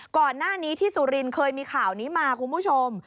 ก่อนหน้านี้ที่สุรินทร์เคยมีข่าวนี้มาคุณผู้ชม